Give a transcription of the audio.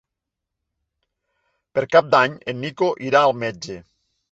Per Cap d'Any en Nico irà al metge.